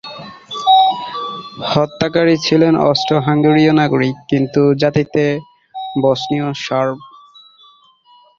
হত্যাকারী ছিলেন অস্ট্রো-হাঙ্গেরীয় নাগরিক, কিন্ত জাতিতে বসনীয় সার্ব।